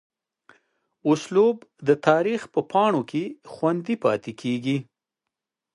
اسلوب دَ تاريخ پۀ پاڼو کښې خوندي پاتې کيږي